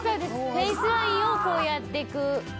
フェースラインをこうやってく。